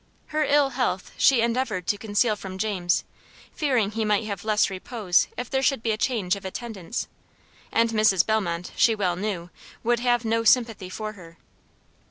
Her ill health she endeavored to conceal from James, fearing he might have less repose if there should be a change of attendants; and Mrs. Bellmont, she well knew, would have no sympathy for her.